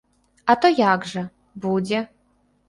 А то як жа, будзе.